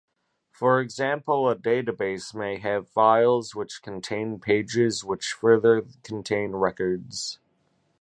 For example, a database may have files, which contain pages, which further contain records.